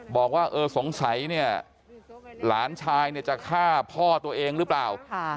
บอกว่าเออสงสัยเนี่ยหลานชายเนี่ยจะฆ่าพ่อตัวเองหรือเปล่า